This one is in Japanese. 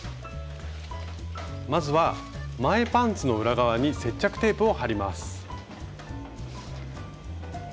まずは前パンツの裏側に接着テープを貼ります。